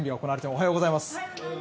おはようございます。